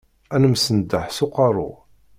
Ad nemsenḍaḥ s uqerru.